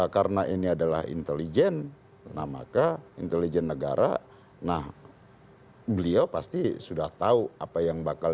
karena ini adalah intelijen nah maka intelijen negara nah beliau pasti sudah tahu apa yang bakal